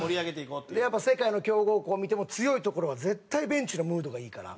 でやっぱ世界の強豪国見ても強いところは絶対ベンチのムードがいいから。